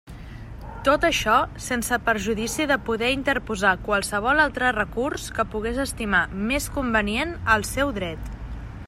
Tot això sense perjudici de poder interposar qualsevol altre recurs que pogués estimar més convenient al seu dret.